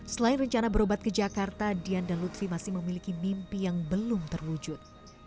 selain rencana berobat ke jakarta dian dan lutfi masih memiliki mimpi yang belum terwujud